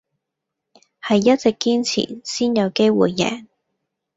係一直堅持先有機會贏